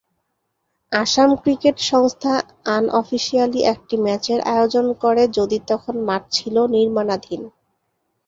Assam cricket সংস্থা unofficially একটি ম্যাচের আয়োজন করে যদি তখন মাঠ ছিল নির্মাণাধীন।